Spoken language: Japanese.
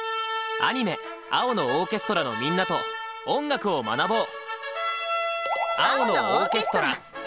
アニメ「青のオーケストラ」のみんなと音楽を学ぼう！